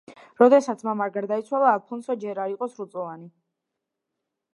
როდესაც მამა გარდაიცვალა, ალფონსო ჯერ არ იყო სრულწლოვანი.